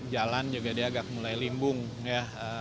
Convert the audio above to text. jalan juga dia agak mulai limbung ya